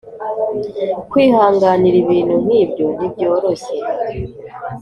Kwihanganira ibintu nk’ibyo ntibyoroshye